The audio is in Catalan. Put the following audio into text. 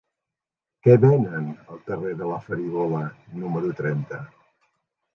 Què venen al carrer de la Farigola número trenta?